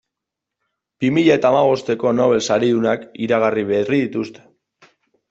Bi mila eta hamabosteko Nobel saridunak iragarri berri dituzte.